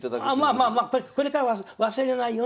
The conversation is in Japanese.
まあまあこれからは忘れないように。